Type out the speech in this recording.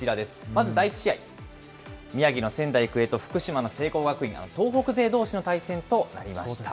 まず第１試合、宮城の仙台育英と福島の聖光学院、東北勢どうしの対戦となりました。